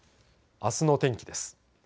あすの天気です。